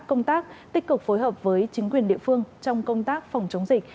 công tác tích cực phối hợp với chính quyền địa phương trong công tác phòng chống dịch